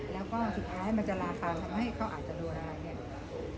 แล้วก็สุดท้ายมันจะลาฟางทำให้เขาอาจจะโดนอะไรเนี่ย